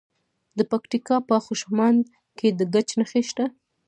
د پکتیکا په خوشامند کې د ګچ نښې شته.